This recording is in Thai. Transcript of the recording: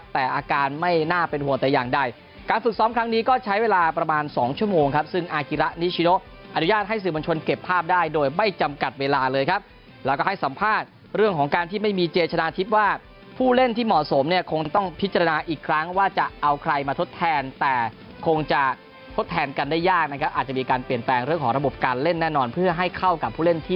แต่อาการไม่น่าเป็นห่วงแต่อย่างใดการฝึกซ้อมครั้งนี้ก็ใช้เวลาประมาณสองชั่วโมงครับซึ่งอาคิระนิชโชน์อนุญาตให้สื่อบัญชนเก็บภาพได้โดยไม่จำกัดเวลาเลยครับแล้วก็ให้สัมภาษณ์เรื่องของการที่ไม่มีเจชนาทิพย์ว่าผู้เล่นที่เหมาะสมเนี่ยคงต้องพิจารณาอีกครั้งว่าจะเอาใครมาทดแทนแต่คงจะทดแทน